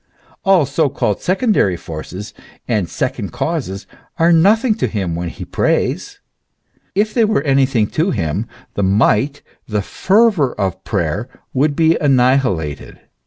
All so called secondary forces and second causes are nothing to him when he prays; if they were anything to him, the might, the fervour of prayer would be annihilated.